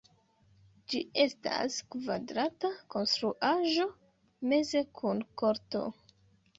Ĝi estas kvadrata konstruaĵo meze kun korto.